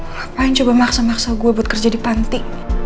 ngapain coba maksa dua gua buat kerja di panti